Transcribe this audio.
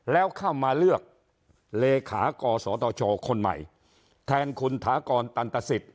แล้วเข้ามาเลือกเลขากศตชคนใหม่แทนคุณถากรตันตสิทธ